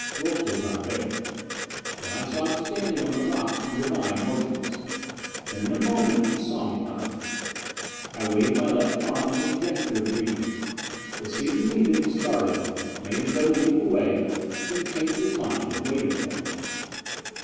Wilks was not there. Then I saw him standing on the rocks nearby, motionless. But in a moment he saw me coming. I waved my left arm with a gesture of greeting. It seemed to me that he started, made as though to leap away, then changed his mind and waited for me.